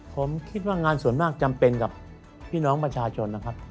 ผมคิดว่างานส่วนมากจำเป็นกับพี่น้องประชาชนนะครับ